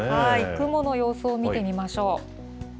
雲の様子を見てみましょう。